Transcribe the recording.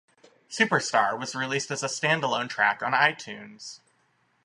"Superstar" was released as a standalone track on iTunes.